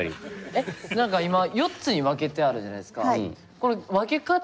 えっ何か今４つに分けてあるじゃないですか。